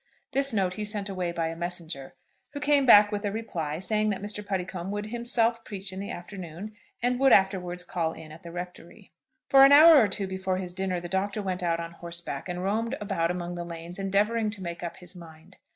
This note he sent away by a messenger, who came back with a reply, saying that Mr. Puddicombe would himself preach in the afternoon, and would afterwards call in at the rectory. For an hour or two before his dinner, the Doctor went out on horseback, and roamed about among the lanes, endeavouring to make up his mind.